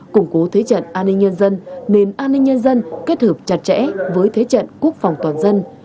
củng cố thế trận an ninh nhân dân nền an ninh nhân dân kết hợp chặt chẽ với thế trận quốc phòng toàn dân